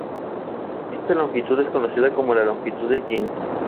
Cuántas plantas son aplastadas, desprenden un olor agradable.